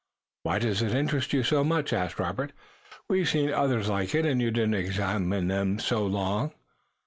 "Why does it interest you so much?" asked Robert. "We've seen others like it and you didn't examine them so long."